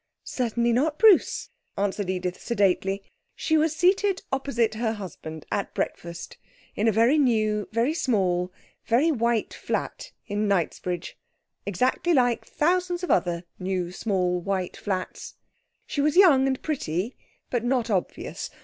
'Certainly not, Bruce,' answered Edith sedately. She was seated opposite her husband at breakfast in a very new, very small, very white flat in Knightsbridge exactly like thousands of other new, small, white flats. She was young and pretty, but not obvious.